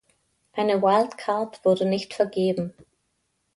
Eine Wildcard wurde nicht vergeben.